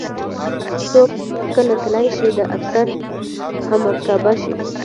څوک کله تلی شي د افسر همرکابه شي.